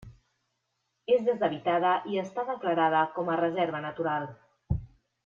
És deshabitada i està declarada com a reserva natural.